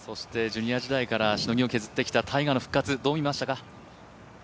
ジュニア時代からしのぎを削ってきたタイガーの復活、どう見ましたか？